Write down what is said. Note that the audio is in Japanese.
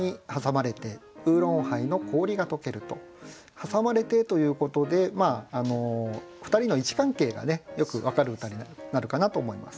「はさまれて」ということで２人の位置関係がねよく分かる歌になるかなと思います。